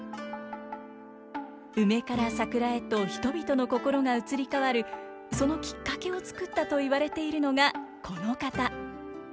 梅から桜へと人々の心が移り変わるそのきっかけを作ったといわれているのがこの方。